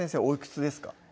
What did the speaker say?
おいくつですか？